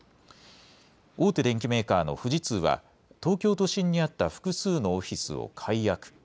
大手電機メーカーの富士通は、東京都心にあった複数のオフィスを解約。